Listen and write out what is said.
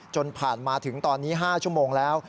จนผ่านมาถึงตอนนี้๕ชั่วโมงแล้ว